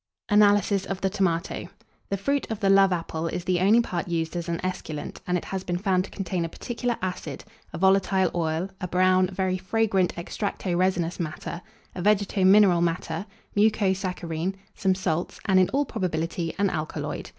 ANALYSIS OF THE TOMATO. The fruit of the love apple is the only part used as an esculent, and it has been found to contain a particular acid, a volatile oil, a brown, very fragrant extracto resinous matter, a vegeto mineral matter, muco saccharine, some salts, and, in all probability, an alkaloid.